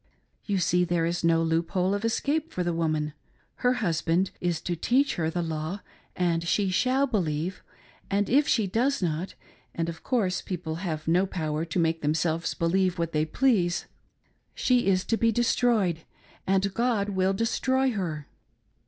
You see there is no loophole of escape for the woman. Her husband is to teach her the law and she shall believe ; and if she does not — and of course people have no power to make , themselves believe what they please — she is to be destroyed, and God will destroy her!